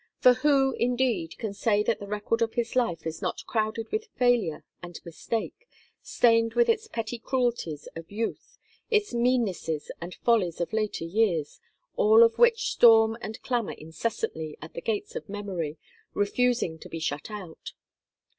For who, indeed, can say that the record of his life is not crowded with failure and mistake, stained with its petty cruelties of youth, its meannesses and follies of later years, all which storm and clamour incessantly at the gates of memory, refusing to be shut out?